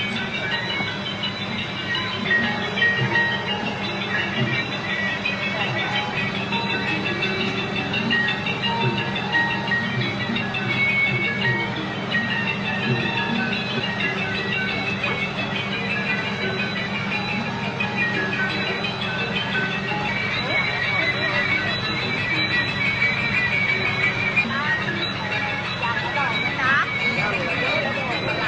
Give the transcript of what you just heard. สวัสดีครับทุกคน